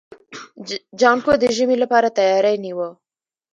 جانکو د ژمي لپاره تياری نيوه.